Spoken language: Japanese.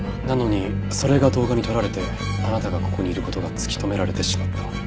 なのにそれが動画に撮られてあなたがここにいる事が突き止められてしまった。